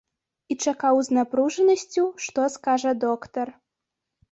І чакаў з напружанасцю, што скажа доктар.